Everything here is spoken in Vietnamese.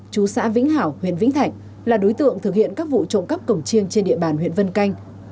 chú xã vĩnh hảo huyện vĩnh thạnh là đối tượng thực hiện các vụ trộm cắp cổng chiêng trên địa bàn huyện vân canh